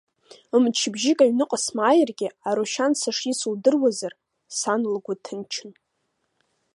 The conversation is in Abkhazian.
Мчыбжьык аҩныҟа смааиргьы, Арушьан сышицу лдыруазар, сан лгәы ҭынчын.